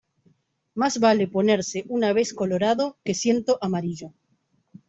Más vale ponerse una vez colorado que ciento amarillo.